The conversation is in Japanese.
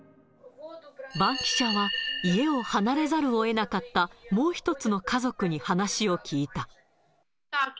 バンキシャは、家を離れざるをえなかった、もう一つの家族に話を聞いた。